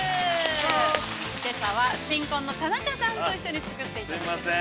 今朝は新婚の田中さんと一緒に作っていきます。